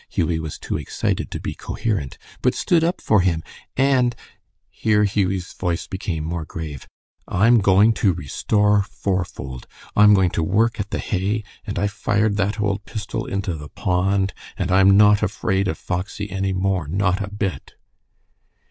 Hughie was too excited to be coherent "but stood up for him, and" here Hughie's voice became more grave "I'm going to restore fourfold. I'm going to work at the hay, and I fired that old pistol into the pond, and I'm not afraid of Foxy any more, not a bit."